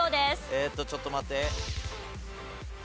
えーっとちょっと待って。